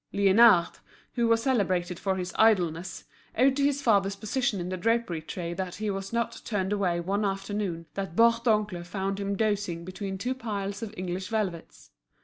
Liénard, who was celebrated for his idleness, owed to his father's position in the drapery trade that he was not turned away one afternoon that Bourdoncle found him dozing between two piles of English velvets.